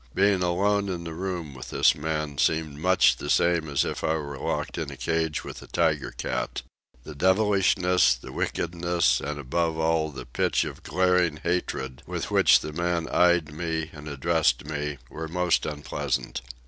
Being alone in the room with this man seemed much the same as if I were locked in a cage with a tiger cat. The devilishness, the wickedness, and, above all, the pitch of glaring hatred with which the man eyed me and addressed me, were most unpleasant.